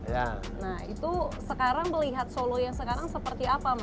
nah itu sekarang melihat solo yang sekarang seperti apa mas